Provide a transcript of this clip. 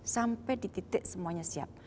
sampai di titik semuanya siap